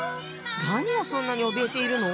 何をそんなにおびえているの？